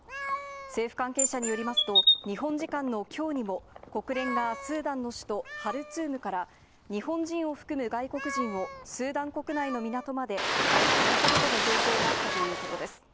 政府関係者によりますと、日本時間のきょうにも、国連がスーダンの首都ハルツームから、日本人を含む外国人をスーダン国内の港まで退避させるとの情報があったということです。